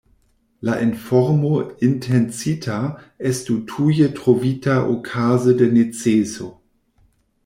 La informo intencita estu tuje trovita okaze de neceso.